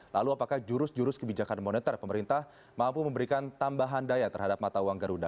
lalu apakah jurus jurus kebijakan moneter pemerintah mampu memberikan tambahan daya terhadap mata uang garuda